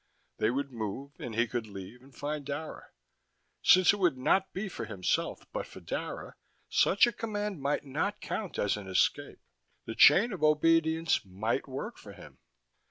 They would move and he could leave and find Dara. Since it would not be for himself but for Dara, such a command might not count as an escape: the chain of obedience might work for him.